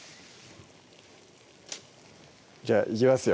じゃあいきますよ